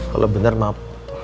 kalau bener maaf